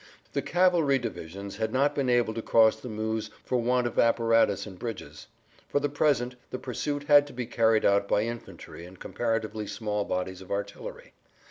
The cavalry divisions had not been able to cross the Meuse for want of apparatus and bridges. For the present the pursuit had to be carried out by infantry and comparatively small bodies of artillery.